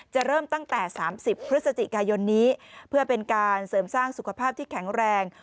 เริ่มตั้งแต่๓๐พฤศจิกายนนี้เพื่อเป็นการเสริมสร้างสุขภาพที่แข็งแรง